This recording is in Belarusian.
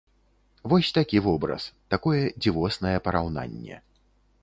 Вось такі вобраз, такое дзівоснае параўнанне.